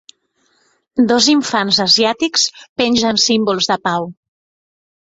Dos infants asiàtics pengen símbols de pau